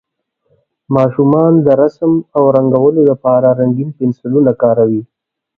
ماشومان د رسم او رنګولو لپاره رنګین پنسلونه کاروي.